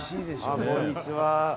こんにちは。